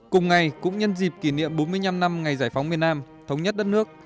cùng ngày cũng nhân dịp kỷ niệm bốn mươi năm năm ngày giải phóng miền nam thống nhất đất nước